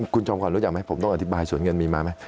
คุณจอมขวัลรู้จักไหมผมต้องอธิบายสวนเงินมีมาไหม